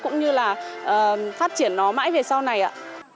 cũng như là phát triển nó mãi về sau này ạ